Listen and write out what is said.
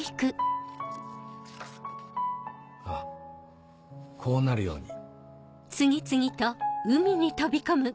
あっこうなるように。